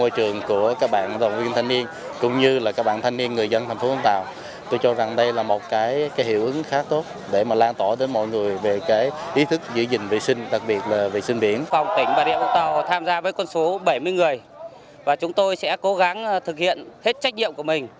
tỉnh bà rịa vũng tàu tham gia với quân số bảy mươi người và chúng tôi sẽ cố gắng thực hiện hết trách nhiệm của mình